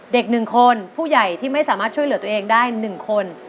เด็ก๑คนผู้ใหญ่ที่ไม่สามารถช่วยเหลือตัวเองได้๑คน